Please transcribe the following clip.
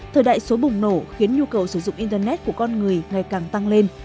thời đại số bùng nổ khiến nhu cầu sử dụng internet của con người ngày càng tăng lên